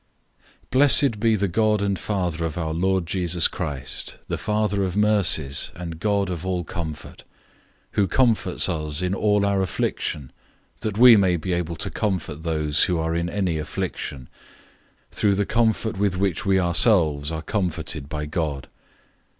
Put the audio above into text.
001:003 Blessed be the God and Father of our Lord Jesus Christ, the Father of mercies and God of all comfort; 001:004 who comforts us in all our affliction, that we may be able to comfort those who are in any affliction, through the comfort with which we ourselves are comforted by God.